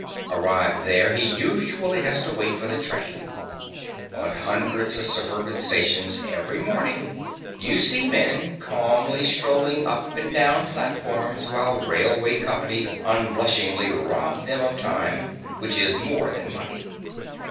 Arrived there, he usually has to wait for the train. On hundreds of suburban stations every morning you see men calmly strolling up and down platforms while railway companies unblushingly rob them of time, which is more than money.